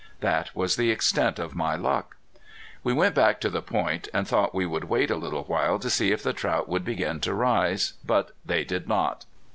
That was the extent of my luck. We went back to the point, and thought we would wait a little while to see if the trout would begin to rise. But they did not.